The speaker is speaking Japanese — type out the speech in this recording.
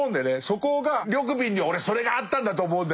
そこが緑敏には俺それがあったんだと思うんだよね。